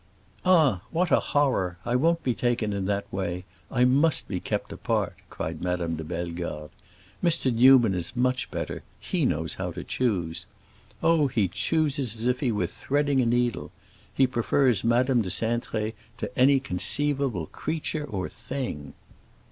"Ah, what a horror! I won't be taken in that way; I must be kept apart," cried Madame de Bellegarde. "Mr. Newman is much better; he knows how to choose. Oh, he chooses as if he were threading a needle. He prefers Madame de Cintré to any conceivable creature or thing."